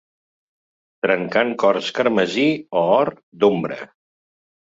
Trencant cors carmesí o or d'ombra.